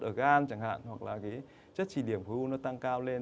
ở gan chẳng hạn hoặc là cái chất trị điểm khối u nó tăng cao lên